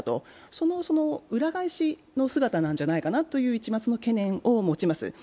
その裏返しの姿なんじゃないかなっていう一抹の懸念を持ちます。